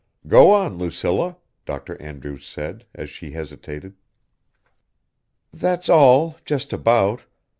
"Go on, Lucilla," Dr. Andrews said, as she hesitated. "That's all, just about.